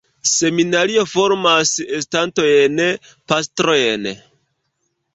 Seminario formas estontajn pastrojn.